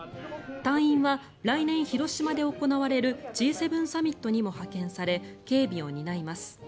隊員は来年広島で行われるＧ７サミットにも派遣され警備を担います。